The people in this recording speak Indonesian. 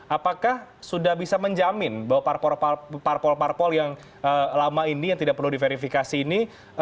apakah sudah bisa menjamin bahwa parpol parpol yang lama ini yang tidak perlu diverifikasi ini